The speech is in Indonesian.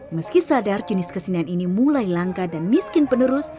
meski sadar jenis kesenian ini mulai langka dan miskin penerus